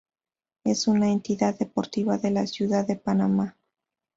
Es una entidad deportiva de la ciudad de Panamá.